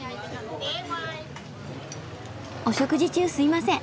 お食事中すいません。